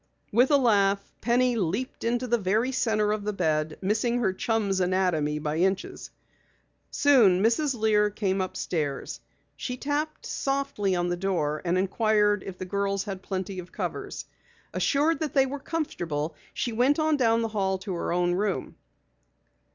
With a laugh, Penny leaped into the very center of the feather bed, missing her chum's anatomy by inches. Soon Mrs. Lear came upstairs. She tapped softly on the door and inquired if the girls had plenty of covers. Assured that they were comfortable, she went on down the hall to her own room.